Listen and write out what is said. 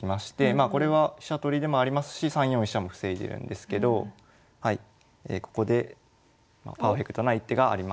まあこれは飛車取りでもありますし３四飛車も防いでるんですけどここでパーフェクトな一手があります。